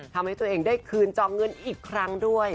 ทำให้ตัวเองได้คืนจองเงินอีกครั้งด้วย